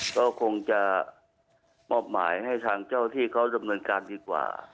ก็คงจะมอบหมายให้ทางเจ้าที่เขาดำเนินการดีกว่า